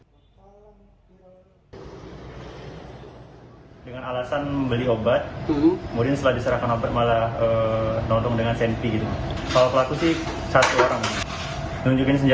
dengan alasan membeli obat kemudian setelah diserahkan obat malah nodong dengan senpi